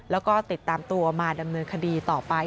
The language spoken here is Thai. แล้วก็ติดตามตัวมาดำเนินคดีต่อไป